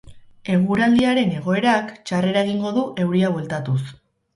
Eguraldiaren egoerak, txarrera egingo du euria bueltatuz.